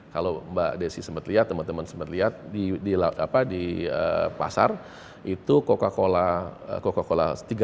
kalau mbak desi sempat lihat teman teman sempat lihat di pasar itu coca cola tiga